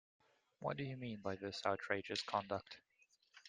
What do you mean by this outrageous conduct.